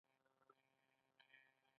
په دې مرحله کې د مبادلاتو وده د پخوا برعکس وه